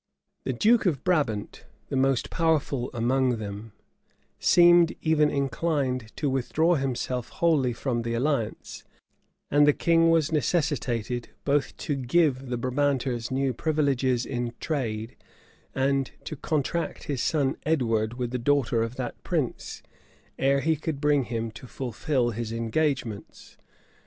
{1339.} The duke of Brabant, the most powerful among them, seemed even inclined to withdraw himself wholly from the alliance; and the king was necessitated both to give the Brabanters new privileges in trade, and to contract his son Edward with the daughter of that prince, ere he could bring him to fulfil his engagements.